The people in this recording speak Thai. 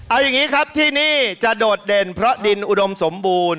เอาอย่างนี้ครับที่นี่จะโดดเด่นเพราะดินอุดมสมบูรณ์